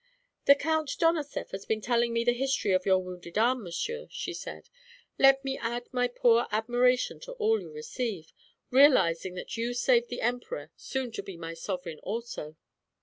"The Count Donoseff has been telling me the history of your wounded arm, monsieur," she said. "Let me add my poor admiration to all you receive, realizing that you saved the Emperor, soon to be my sovereign also."